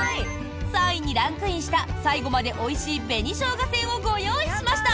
３位にランクインした最後まで美味しい紅生姜せんをご用意しました。